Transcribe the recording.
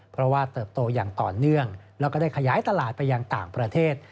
เพราะว่าเติบโตอย่างต่อเนื่องแล้วก็ได้ขยายตลาดไปยังต่างประเทศ